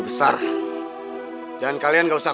jawab dinda naungulan